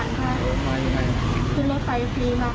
แล้วคิดอย่างไรตอนแรก